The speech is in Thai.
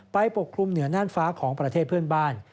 ปกคลุมเหนือน่านฟ้าของประเทศเพื่อนบ้าน